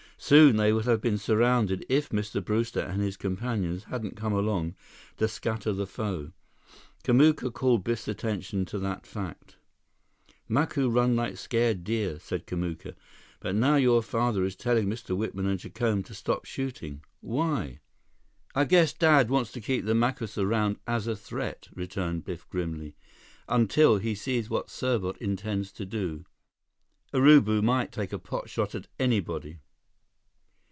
Soon they would have been surrounded if Mr. Brewster and his companions hadn't come along to scatter the foe. Kamuka called Biff's attention to that fact. "Macu run like scared deer," said Kamuka. "But now your father is telling Mr. Whitman and Jacome to stop shooting. Why?" "I guess Dad wants to keep the Macus around as a threat," returned Biff grimly, "until he sees what Serbot intends to do. Urubu might take a pot shot at anybody."